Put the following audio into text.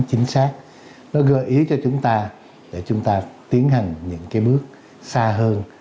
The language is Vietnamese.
chính xác nó gợi ý cho chúng ta để chúng ta tiến hành những cái bước xa hơn